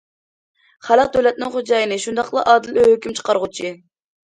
خەلق دۆلەتنىڭ خوجايىنى، شۇنداقلا ئادىل ھۆكۈم چىقارغۇچى.